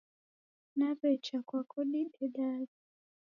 Naw'echa kwako didedanye.